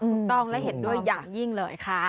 ถูกต้องและเห็นด้วยอย่างยิ่งเลยค่ะ